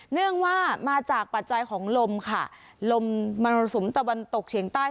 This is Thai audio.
เนื่องว่ามาจากปัจจัยของลมค่ะลมมรสุมตะวันตกเฉียงใต้